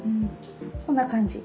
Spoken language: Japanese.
こんな感じ。